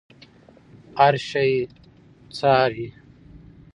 هر شی څاري.